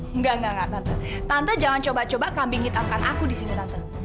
enggak enggak tante jangan coba coba kambing hitamkan aku di sini tante